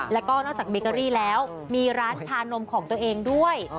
แล้วก็นอกจากเบเกอรี่แล้วมีร้านชานมของตัวเองด้วย